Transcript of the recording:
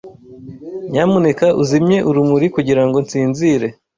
Nyamuneka uzimye urumuri kugirango nsinzire.